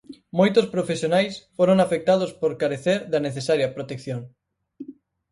Moitos profesionais foron afectados por carecer da necesaria protección.